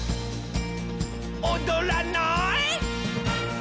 「おどらない？」